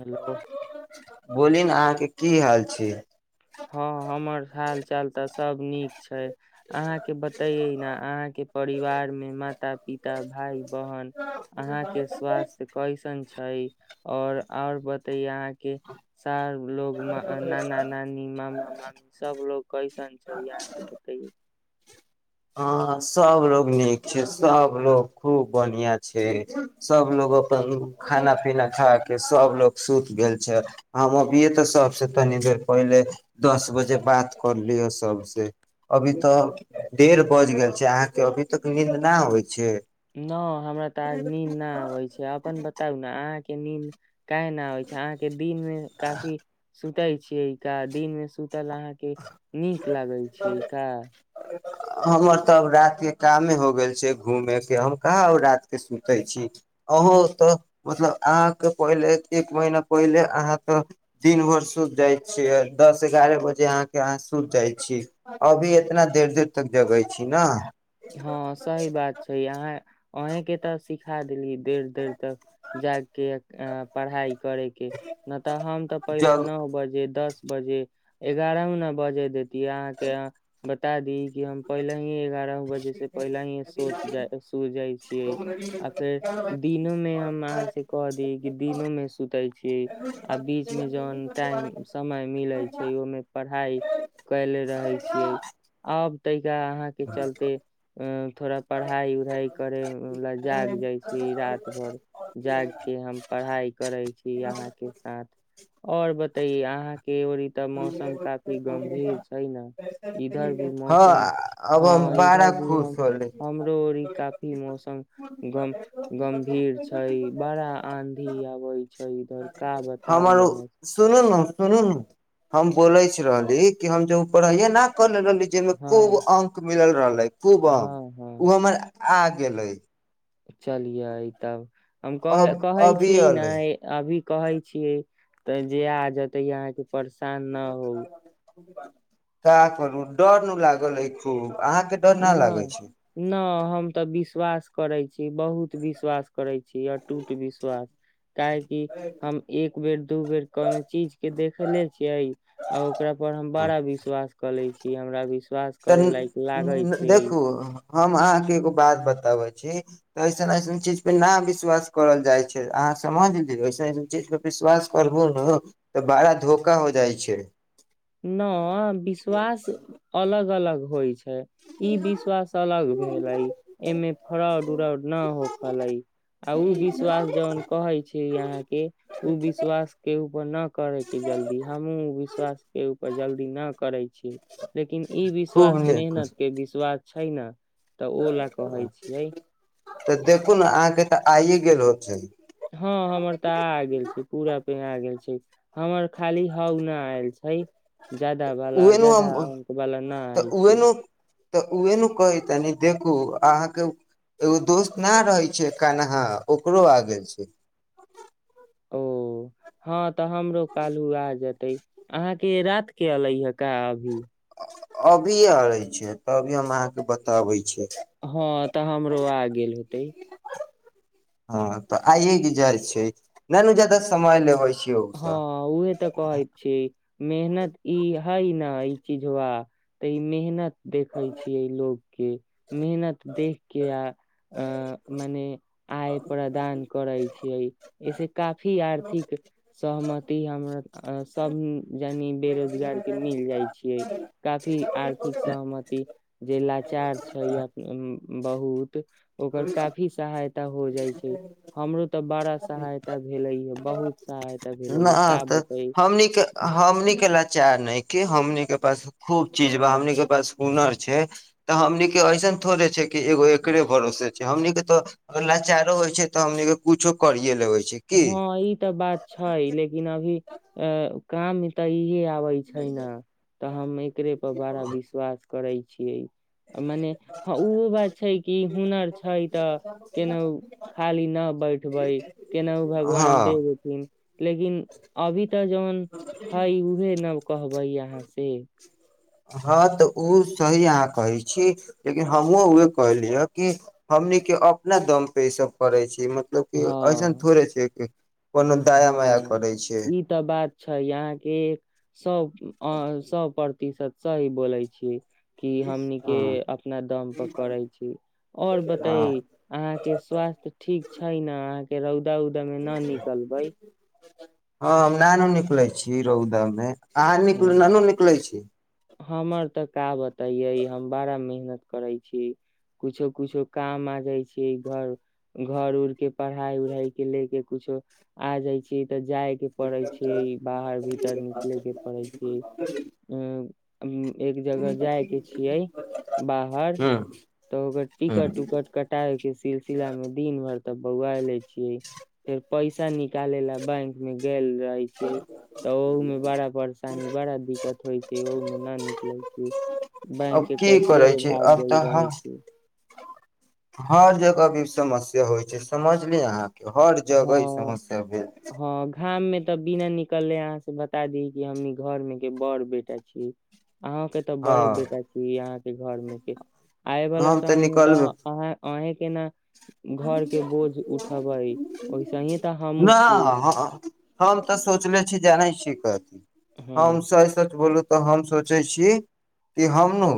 Hello बोली ने अहाँके की हाल छै हँ हमर हाल चाल तऽ सब नीक छै अहाँके बतैै ने अहाँके परिवार मे माता पिता भाई बहन अहाँके स्वास्थ्य कैसन छै ओर और बतेयए अहाँके के सार लोग मे आ नाना नानी मामा मामी सबलोग कै कैसन छै अहाॅंके बतैयौ हँ सबलोग नीक छै सबलोग खूब बन्हिआ छै सबलोग अपन खाना पीना खा कऽ सबलोग सुति गेल छैइ हम अभिये तऽ सबसे तनि देर पहिले दस बजे बात करलियौ सबसँ अभी तऽ डेढ बज गेल छैइ अहाँ के अभी तक नींद ना आबै छै न हमरा तऽ आज नीन ना आबैइ छैइ अपन बताउ ने अहाँके के नीन काहे नहि आबै छै अहाँ के दिन मे काफी सुतैइ छियै का दिन में सुत सुतल अहाँके नीक लागय छियै का हमर तऽ अब रात के कामे हो गेल छैइ घूमे के हम कहाँ रात के सुते छी अहूँ तऽ मतलब अहाँके पहिले एक महीना पहिले अहाँ तऽ दिन भरि सुत जाइ छियै दस एगारह बजे जे अहाँके अहाँ सूत जाइ छी अभी एतना देर देर तक जगै छी ना हँ सही बात छैइ अहाँ अहें के ते सीखा देलियै देर देर तक जागि के पढ़ाई करै के न तऽ हम तऽ पहिले जग नौ बजे दस बजे एगारहमे न बजे देत की अहाँके अहाँ बता दी कि हम पहिलही एगारह जैसे पहिलही सूत जाइ सूत जाइ छियै आ फेर दिनो मे हम अहाँ से कह दी कि दिनो में सुतै छी आ बीच में जहन टाइम समय मिले छैइ ओहिमे पढ़ाई आइ कयले रहै छियै आब जा अहाँ के चलते ह थोड़ा पढ़ाई उढ़ाई करय ला जाग जाय छी रात भरि जाग के हम पढ़ाई करैइ छी आहां के सांथ और बताइयै अहां एबरी तऽ मौसम काफी गंभीर छैइ ना इधर भी हँ मौसम अब ह हम ई बड़ा इधर भी खुश हम होली हमरो ओरी काफी मौसम गम गम्भीर छै बड़ा आंधी आबै छै इधर का बताउ अहाँ सुनू‌ नू हम बोलैइछ रहली कि हम जब पढ़ैये ना रहली जइमे खूब हँ अंक मिलल रहलै खूब अंक हँ ओ हमर आ गेलै चलि यै तब हम कह अब कहै अभी छियै अलै नै अभी कहै छियै तऽ जे आ जेतै अहाँके परशान न होउ का करू डर नू लागल है खूब अहाँके डर न लागै छै नहि नहि हम तऽ विश्वास करै छी बहुत विश्वास करै छी अटूट विश्वास काहेकि हम एक बेर दू बेर कोनो चीज के देखेले छियै आ ओकरा पर हम बड़ा विश्वास कऽ ले छियै ई हमरा विश् श्वास तऽ करे लायक लागैत देखू हम अहाँके एगो बात बताबै छी तऽ ऐसन ऐसन चीज पे न विश्वास करल जाइ छै अहाँ समझ लियौ ऐसन ऐसन चीज पे विश्वास करबू ने तऽ बड़ा धोखा हो जाइ छै न विश्वास अलग अलग होइ छै ई विश्वास अलग भेलई एहिमे फरॉड उरॉड न होखलै आ उ विश्वास जौन कहे छी अहाँ के उ विश्वास केहु पर नहि करेके जल्दी हमहुँ विश्वास केहुपर जल्दी न करै छी लेकिन ई खूब विश्वास नीक मेहनत के विश्वास छैना तऽ ओ ला कहै छियै तऽ देखू ने अहाँके तऽ आइए गेल होते हँ हमर तऽ आ गेल छै पूरा पे आ गेल छै हमर खाली हउ न आयल छै जादा वाला उहे नु जादा हम अंक वाला न तऽ आयल उहे छै नु तऽ उहे नु कहैत तनि देखू अहाँके एगो दोस्त नहि रहै छै कानहा ओकरो आ गेल छै ओ हँ तऽ हमरो कल्हु आ जेते अहाँके रात के अलै हे का अभी अभी आ रै छै तभी हम अहाँके बताबै छिय हँ तऽ हमरो आ गेल होतै हँ तऽ आ जाइ छै ननु जादा समय लेबय हँ उहे तऽ कहैत छियै मेहनत ई हई न ई चीझबा तऽ ई मेहनत देखै छियै लोग की मेहनत देखके आ अ मने आय प्रदान करै छियै ऐसे काफी आर्थिक सहमति हमर सभ जानि बेरोजगार के मिल जाइ छियै काफी आर्थिक सहमति जे लाचार छै बहुत ओकर काफी सहायता हो जाइ छै हमरो तऽ बड़ा सहायता भेलै हए बहुत सायद न तऽ हमनि के हमनि के लाचार न‌इखि हमनि के पास खूब चीज बा हमनि के पास हुनर छै तऽ हमनि के ऐसन थोड़े छै क एगो एकरे भरोसे छै हमनि के तो लाचारो होय छै त हमनि के कुछो करिये लेवे छै की हँ ई तऽ बात छै लेकिन लेकिन अभी अ काम तऽ इह आबै छै न तऽ हम एकरे पर बड़ा विश्वास करै छी छियै मने हँ उ बात छै कि हुनर छै तऽ केनाहु खाली नहि बैठबै न हँ भगवान देवथिन लेकिन अभी जौन हइ उहे न कहबै अहाँ से हँ तऽ ओ सही अहाँ कहै छी लेकिन हमहुँ उह कहलिय ह कि हमनी के अपना दम पे ई सब करै छी कि एसन हँ थोड़े छै की कोनो दाया माया करै छै यहांके सब हँ सब पड़ इ सब सही बोलय छी हमनीके हँ अपना दम पर करै छी आओर हँ बताई अहाँके स्वास्थ्य ठीक छै न अहाँ के हउ द उदमे ना नीक भइ हँ हम ना नु निकलै छी रौदा मे अहाँ निक ह नानू निकलै छी हमर तऽ का बताैये हम बड़ा मेहनत करै छी कुछो कुछो काम आ जाइ छी घर घर उर के पढ़ाई उढ़ाई के ले के कुछो आ जाइ छी तऽ जाय के पड़े छै बाहर भीतर निकलयके ह हुँ एक जगह जाइ के छियै बाहर हूँ तऽ ओकर टिकट हूँ उकट कटायके सिलसिला मे दिन भरि तऽ बौआ ले छियै फेर पैसा नीक निकाले ला बैंक में गेल रहय छियै तऽ ओह मे बड़ा पानी बड़ा दिक दिक्कत होइ छै ओहो मे न निकलै छी बैंक अब के की करै कैशियरे छै भाग अब गेल तऽ ह रहय छै हर जगह भी समस्या होइ छै समझलि अहाँ हर जगह ई हँ समस्या भेल छै हँ घाम मे तऽ बिना निकलले अहाँ से बता दी कि हमनी घर मे के बड़ बेटा छी अहुँ के त बड़े हँ बेटा छी अहाँ के घर मे के आय वाला हम तऽ समय मे त निकलबे अहाँ आहें केना घर के बोझ उठबइ नहि ह हम तऽ सोचले छी जानैय छियै कथि हमँ हँ सही सच बोलू तऽ हम सोचे छी कि हम नु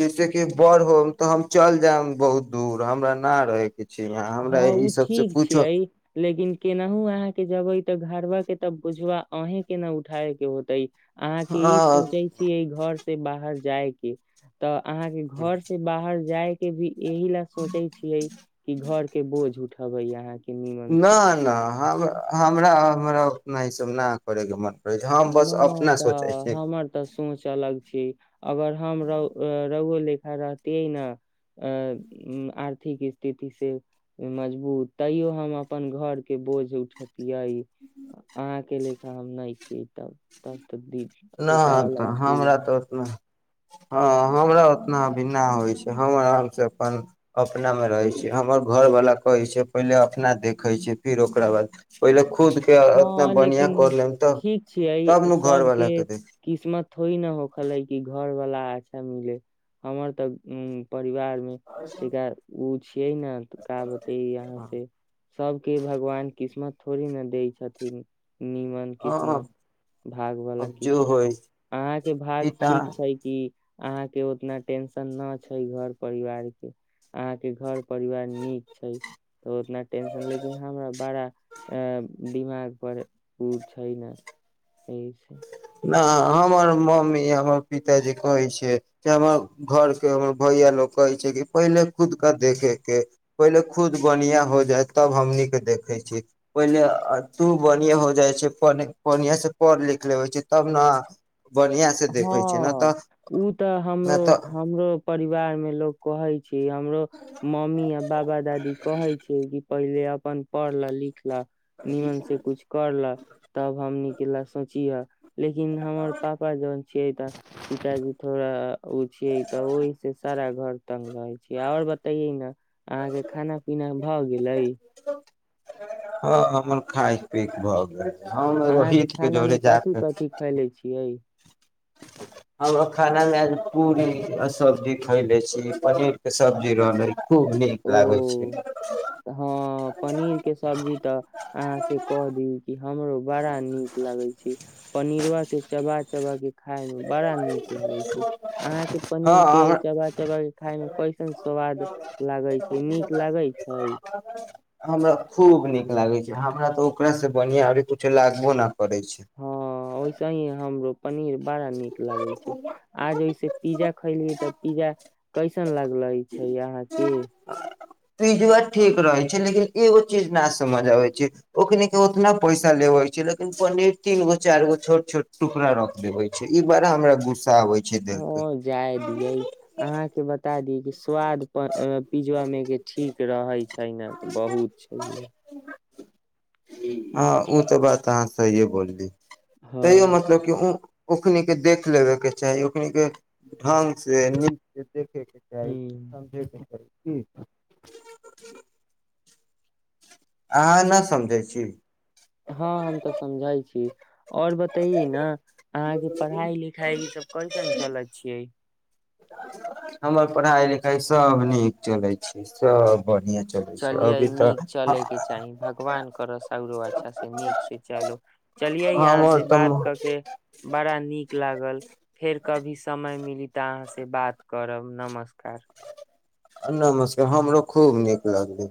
जैसेेकि बड़ होम तऽ हम चल जायब बहुत दूर हमरा न रहय के छी हँ हमरा ई ओ सबसँ ठीक कुछो छियै लेकिन केनाहु अहाँके जबै त घारवा के तब बुझवा अहें के न उठाय के होते अहाँके ई न सोचै छी एहि घर से बाहर जाइ के तऽ अहाँ के घर से बाहर जाइके भी एहि ले सोचे छियै कि घर बोझ उठबै अहाँके नीमन से नहि नहि हम हमरा हमरा नहि ई सब न करय के मन करै छै हम बस नहि अपना सोचै तऽ छी न हमर तऽ सोच अलग छी अगर हम र रौआ लेखा रहतियै न अ आर आर्थिक स्थिति से मजबूत तैयो हम अपन घर के बोझ उठेतियै अहाँ अकेेलेखा हम नहि छियै तब तऽ तऽ दि देखाय लाग तऽ छै हमरा अहाँ तऽ उतना हँ हमरा ओतनाभिन्ना होइत छै हम आरामसँ अपन अपनामे रहय छी हमर घरवला कहैत छै पहिले अपना देखय छै फिर ओकरा बाद पहिले खुद के उतना हँ बढ़िया लेकिन कर लेम तऽ ठीक छियै तब ने घरवाला सबके किस्मत थोइ न हो खलै कि घर वाला अच्छा मिले हमर तऽ परिवार मे तरा उ छियै ने त का बताइयै यहाँ से सबके भगवान किस्मत थोड़ी ने दे छथिन नीमन हँ किस्मत भाग वला अब जो किस्मत होइ अहाँके ई भाग तऽ ठीक छै कि अहाँके ओतना टेंशन न छै घर परिवारके अहाँके घर परिवार नीक छै तऽ ओतना टेंशन लेकिन हमरा बड़ा दिमाग पर उ छै ने एहिसँ न हमर मम्मी हमर पिताजी कहै छै से हमर घर के हमर भैया लोग कहै छै कि पहिले खुद के देखे के पहिले खुद बढ़िआं हो जाय तब हमनीके देखै छी पहिले तू बढ़िआँ हो जाइ छै बढ़िआ से पढ़ लिख लेबै छै तब न बढ़िया से हँ देखे छै न तऽ ओ तऽ हमरो न तऽ हमरो परिवार परिवार मे लोक कहै छै हमरो मम्मी आ बाबा दादी कहै छै कि पहिले अपन पढ़ लेलिख नीमन से कुछ कर ल तब हमनी के ल सोचीहा लेकिन हमर पाप छियै तऽ पिताजी थोड़ा ओ छियै तऽ ओहि से सारा घर तंग रहै छियै आओर बतैये ने अहाँ के खाना पीना भऽ गेले हँ हमर खाय पी भऽ गेल हम अहाँके रोहितके खाना मे जोरे कथि जाक कथि खैले छियै हम खाना मे आ पूरी सब्जी खयले छी पनीर के सब्जी रहले खूब नीक लागै छै ओ ह [unintelligible] हँ पनीर के सब्जी तऽ अहाँ से कह दिय कि हमरो बड़ा नीक लागै छै पनीरबा के चबा चबा के खाय मे बड़ा नीक लागै छै अहाँके पनीर हँ के हमरा चवा चवा खाय मे कैसन स्वाद लागै छै नीक लागै छै हमरा खूब नीक लागै छै हमरा तऽ ओकरासँ बढ़िआँ अभी कुछो लागबो ना करै छै से हमरो पनीर बड़ा नीक लागै छै आज ऐसे पिज्जा खैलिय तऽ पिज्जा कैसन लागले छै यहां के पिजबा ठीक रहे छै लेकिन एगो चीज न समझ आबे छै ओखन के उतना पैसा लेवे छै लेकिन पनीर तीन गो चार गो छोट छोट टुकड़ा रख देवे छै ई बारा हमरा गुस्सा आबे छै देख ओ के जाय दियै अहाँके बता दिय कि स्वाद पिजबा मे के ठीक रहै छै छैना तऽ बहुत छै हँ ओ तऽ बात अहाँ सहिए बोलली हँ तैयो मतलब कि उं ओखनि के देख लेबे के चाही ओखनि के ढंग से नीक देखै के चाही ह समझै के चाही की अहाँ ना समझै छी हँ हम तऽ समझैय छी। आओर बतय ने अहाँके पढ़ाई लिखाई ई सभ कइसन चलैत छियै हमर पढ़ाई लिखाई सभ नीक चलै छै सभ चलियै नीक चलयके चाही भगवान कर सगरो अच्छा से नीक से चलो चलियै यहाँ से हमर तऽ बात कऽ के बड़ा नीक लागल फेर कभी समय मिली तऽ अहाँ से बात करब नमस्कार नमस्कार हमरो खूब नीक लगलै